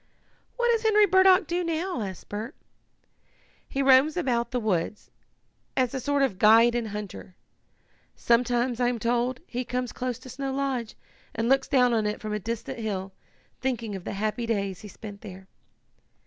"What does Henry Burdock do now?" asked Bert. "He roams about the woods, as a sort of guide and hunter. Sometimes, I am told, he comes close to Snow Lodge and looks down on it from a distant hill, thinking of the happy days he spent there."